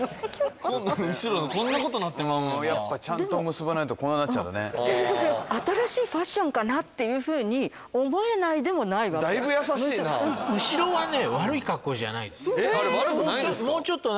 後ろがこんなことなってまうもんなやっぱちゃんと結ばないとこんななっちゃうんだね新しいファッションかなっていうふうに思えないでもないだいぶ優しいな後ろはね悪い格好じゃないですそうなんですよ